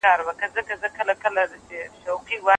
پرېږده خپل قول پوره کړي شمعي مه ژاړه بورا ته